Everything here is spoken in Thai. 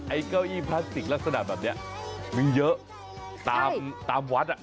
เก้าอี้พลาสติกลักษณะแบบนี้มันเยอะตามวัดอ่ะ